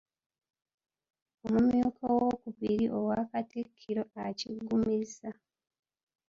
Omumyuka owookubiri owa Katikkiro akiggumizza.